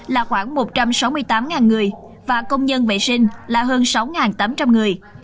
là khoảng một trăm sáu mươi tám người và công nhân vệ sinh là hơn sáu tám trăm linh người